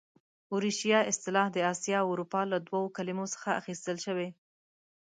اوریشیا اصطلاح د اسیا او اروپا له دوو کلمو څخه اخیستل شوې.